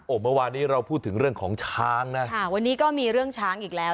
เมื่อวานนี้เราพูดถึงเรื่องของช้างนะค่ะวันนี้ก็มีเรื่องช้างอีกแล้ว